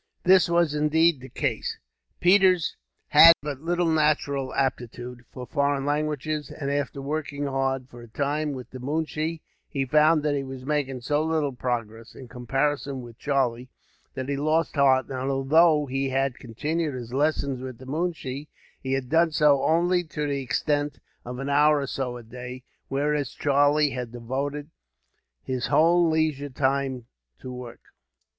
This was indeed the case. Peters had but little natural aptitude for foreign languages; and after working hard, for a time, with the moonshee, he found that he was making so little progress, in comparison with Charlie, that he lost heart; and although he had continued his lessons with the moonshee, he had done so only to the extent of an hour or so a day, whereas Charlie had devoted his whole leisure time to the work.